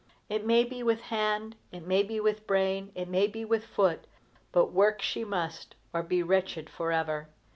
It may be with hand, it may be with brain, it may be with foot; but work she must, or be wretched forever.